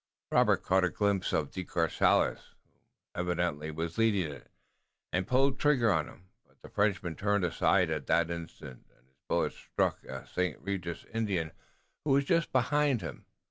Robert caught a glimpse of De Courcelles, who evidently was leading it, and pulled trigger on him, but the Frenchman turned aside at that instant, and his bullet struck a St. Regis Indian who was just behind him.